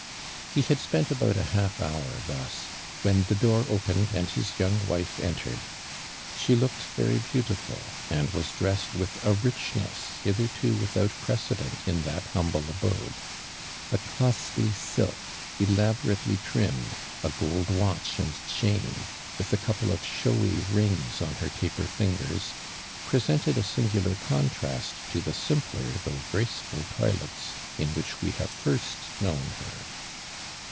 He had spent about a half hour thr ., when the door opened and his young wife entered. She looked very beautiful; and was drt'HH<«tl with a richness hitherto ivithout/ prc^cedeiit in that humble abodo. A coittly silk, elaborately triinnuHL — a gold watch and chain, with a couple of showy rings on \wv taper lingers, presented a singular con trast to the simpler though gmcoful toilets ill which wo liav»^ first known her.